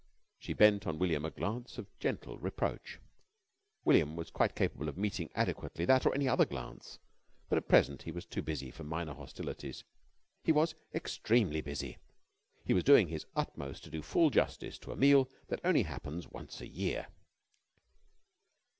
She bent on William a glance of gentle reproach. William was quite capable of meeting adequately that or any other glance, but at present he was too busy for minor hostilities. He was extremely busy. He was doing his utmost to do full justice to a meal that only happens once a year.